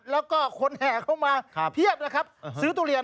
แล้วก็คนแห่เข้ามาเพียบนะครับซื้อทุเรียน